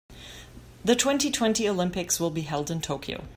The twenty-twenty Olympics will be held in Tokyo.